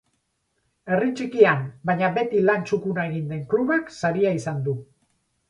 Herri txikian, baina beti lan txukuna egin den klubak saria izan du.